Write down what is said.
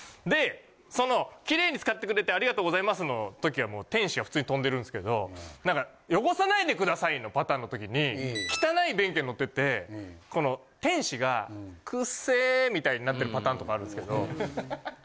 でその「綺麗に使ってくれてありがとうございます」のときは天使は普通に飛んでるんですけどなんか「汚さないでください」のパターンのときに汚い便器が載っててこの天使がクッセーみたいになってるパターンとかあるんですけど。